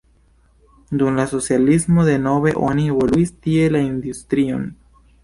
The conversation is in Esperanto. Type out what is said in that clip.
Dum la socialismo denove oni evoluis tie la industrion.